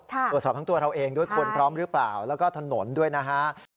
ตรวจสอบทั้งตัวเราเองด้วยคนพร้อมหรือเปล่าแล้วก็ถนนด้วยนะฮะ